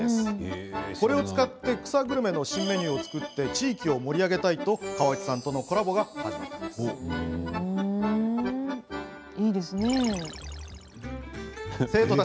これを使って草グルメの新メニューを作って地域を盛り上げたいと河内さんとのコラボが始まったんです。